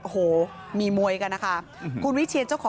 กลับมารับทราบ